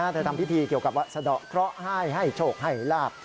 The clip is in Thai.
ทำพิธีเกี่ยวกับว่าสะดอกเคราะห์ให้ให้โชคให้ลาบ